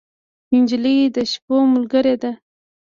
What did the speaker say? نجلۍ د شپو ملګرې ده.